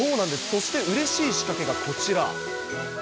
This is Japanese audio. そしてうれしい仕掛けがこちら。